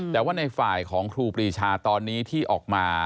แต่ว่าในฝ่ายของครูปรีชาตอนนี้ที่ออกมา